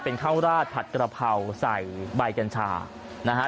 เป็นข้าวราดผัดกระเพราใส่ใบกัญชานะฮะ